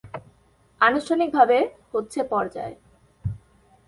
আনুষ্ঠানিক ভাবে, হচ্ছে পর্যায়।